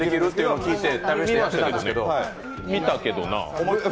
見たけどなぁ。